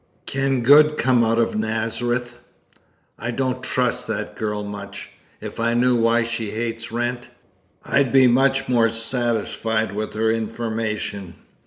Can good come out of Nazareth? I don't trust that girl much. If I knew why she hates Wrent, I'd be much more satisfied with her information.